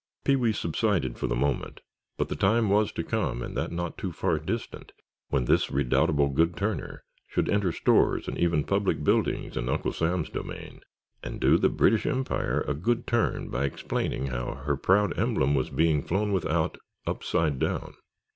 Pee wee subsided for the moment, but the time was to come, and that not so far distant, when this redoubtable "good turner" should enter stores and even public buildings, in Uncle Sam's domain, and do the British Empire a good turn by explaining how her proud emblem was being flown without, upside down.